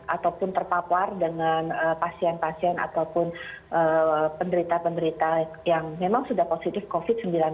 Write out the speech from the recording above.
ataupun terpapar dengan pasien pasien ataupun penderita penderita yang memang sudah positif covid sembilan belas